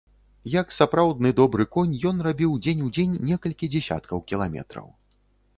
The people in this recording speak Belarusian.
Як сапраўдны добры конь, ён рабіў дзень у дзень некалькі дзесяткаў кіламетраў.